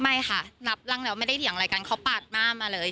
ไม่ค่ะนับร่างแล้วไม่ได้เถียงอะไรกันเขาปาดหน้ามาเลย